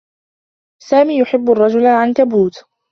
سامي يحبّ الرّجل العنكبوت.